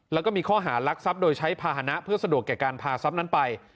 แล้วก็มีข้อหารักทรัพย์โดยใช้ภาษณะเพื่อสะดวกแก่การพาทรัพย์นั้นไป